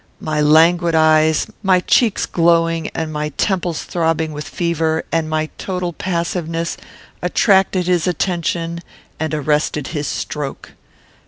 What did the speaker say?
My languid eyes, my cheeks glowing and my temples throbbing with fever, and my total passiveness, attracted his attention and arrested his stroke.